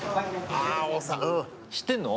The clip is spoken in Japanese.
知ってんの？